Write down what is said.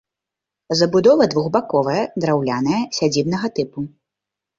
Забудова двухбаковая, драўляная, сядзібнага тыпу.